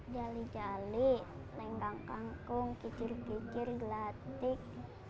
jali jali lenggang kangkung kicir kicir gelatik